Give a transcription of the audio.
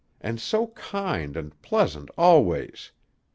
And so kind and pleasant always.